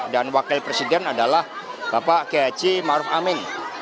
dan wakil presiden adalah bapak geyaci maruf amin